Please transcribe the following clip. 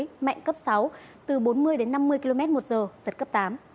sức gió mạnh nhất vùng gần tâm áp thấp nhiệt đới mạnh cấp sáu từ bốn mươi đến năm mươi km một giờ giật cấp tám